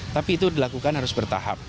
tapi itu dilakukan harus bertahap